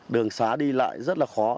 đường xá đi lại rất là khó